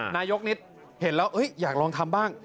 นายกนิดเห็นแล้วอยากลองทำบ้าง